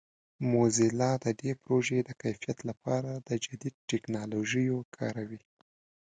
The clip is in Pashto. موزیلا د دې پروژې د کیفیت لپاره د جدید ټکنالوژیو کاروي.